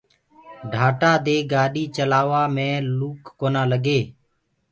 ڍآٽآ دي گآڏي چلآوآ مينٚ لوُڪ ڪونآ لگي۔